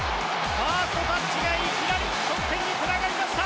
ファーストタッチがいきなり得点につながりました！